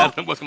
ada apaan sih